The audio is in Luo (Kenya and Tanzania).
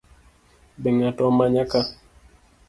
Be ng’ato omanya ka?